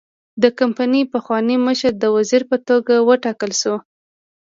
د کمپنۍ پخوانی مشر د وزیر په توګه وټاکل شو.